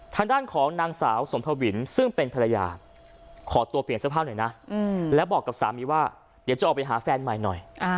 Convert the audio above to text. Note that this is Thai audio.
ทางด้านของนางสาวสมภวินซึ่งเป็นภรรยาขอตัวเปลี่ยนเสื้อผ้าหน่อยนะแล้วบอกกับสามีว่าเดี๋ยวจะออกไปหาแฟนใหม่หน่อย